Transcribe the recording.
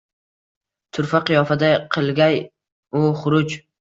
Turfa qiyofada qilgay u xuruj.